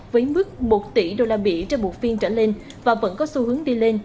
với mức một tỷ đô la mỹ trên một phiên trở lên và vẫn có xu hướng đi lên